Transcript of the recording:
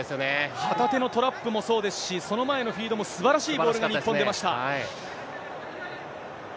旗手のトラップもそうですし、その前のフィードもすばらしいボールが日本、出ました。